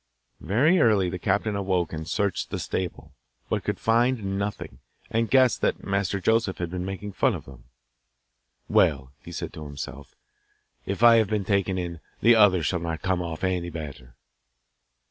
Very early the captain awoke and searched the stable, but could find nothing, and guessed that Master Joseph had been making fun of them. 'Well,' he said to himself, 'if I have been taken in, the others shall not come off any better.